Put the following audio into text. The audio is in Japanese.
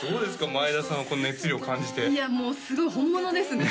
前田さんはこの熱量を感じていやもうすごい本物ですね